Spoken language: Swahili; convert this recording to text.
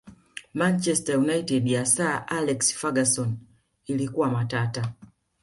manchester united ya sir alex ferguson ilikuwa matata